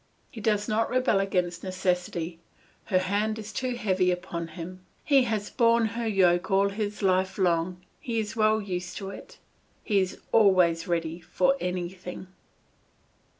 He does not rebel against necessity, her hand is too heavy upon him; he has borne her yoke all his life long, he is well used to it; he is always ready for anything.